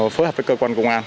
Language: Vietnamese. phối hợp với cơ quan công an